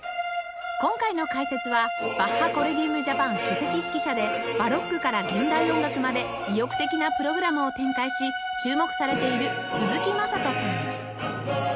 今回の解説はバッハ・コレギウム・ジャパン首席指揮者でバロックから現代音楽まで意欲的なプログラムを展開し注目されている鈴木優人さん